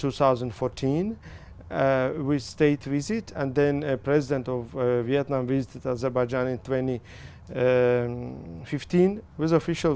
với một thị trấn thủ tướng và chính phủ của việt nam đã gặp azarbaycan vào năm hai nghìn một mươi năm